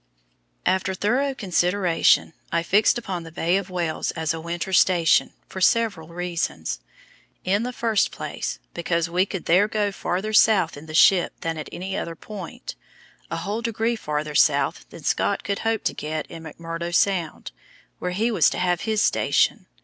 After thorough consideration, I fixed upon the Bay of Whales as a winter station, for several reasons. In the first place, because we could there go farther south in the ship than at any other point a whole degree farther south than Scott could hope to get in McMurdo Sound, where he was to have his station.